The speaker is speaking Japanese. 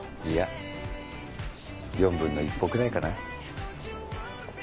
いや４分の１歩くらいかな。